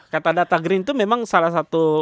kata data green itu memang salah satu